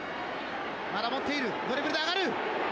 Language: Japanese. まだ持っているドリブルで上がる。